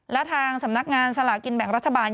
และทางสำนักงานสลากินแบ่งรัฐบาล